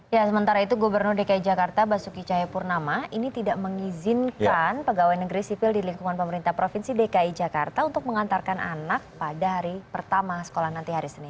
ya sementara itu gubernur dki jakarta basuki cahayapurnama ini tidak mengizinkan pegawai negeri sipil di lingkungan pemerintah provinsi dki jakarta untuk mengantarkan anak pada hari pertama sekolah nanti hari senin